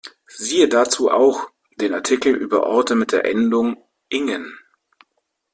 Siehe dazu auch den Artikel über Orte mit der Endung -ingen.